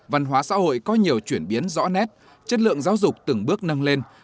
văn hóa xã hội có nhiều chuyển biến rõ nét chất lượng giáo dục từng bước nâng lên